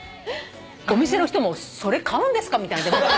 お店の人も「それ買うんですか」みたいな。